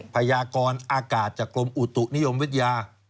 พยากรอากาศจากกรมอุตุนิยมวิทยา